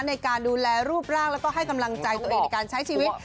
ในการดูแลรูปร่างแล้วก็ให้กำลังใจตัวเองในการใช้ชีวิต